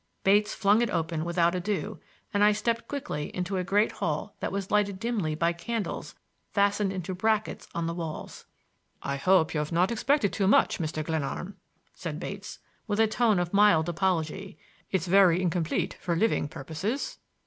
Bates flung it open without ado, and I stepped quickly into a great hall that was lighted dimly by candles fastened into brackets on the walls. "I hope you've not expected too much, Mr. Glenarm," said Bates, with a tone of mild apology. "It's very incomplete for living purposes."